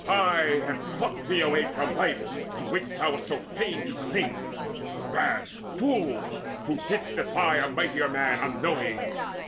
I have plucked thee away From life, to which thou wast so fain to cling. Rash fool, who didst defy a mightier man Unknowing!